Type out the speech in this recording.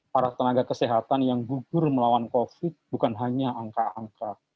para tenaga kesehatan yang gugur melawan covid bukan hanya angka angka